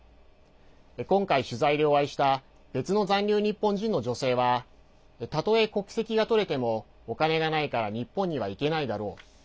今回、取材でお会いした別の残留日本人の女性はたとえ国籍が取れてもお金がないから日本には行けないだろう。